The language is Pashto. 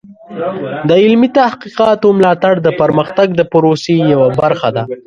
د علمي تحقیقاتو ملاتړ د پرمختګ د پروسې یوه برخه ده.